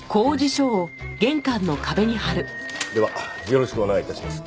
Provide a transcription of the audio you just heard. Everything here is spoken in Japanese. ではよろしくお願い致します。